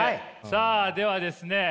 さあではですね